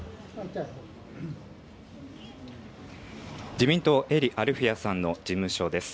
自民党、英利アルフィヤさんの事務所です。